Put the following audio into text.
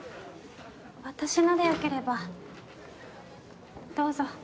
私のでよければどうぞ。